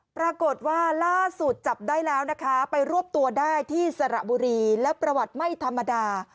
ปรากฏว่าล่าสุดจับได้แล้วนะคะไปรวบตัวได้ที่สระบุรีแล้วประวัติไม่ธรรมดา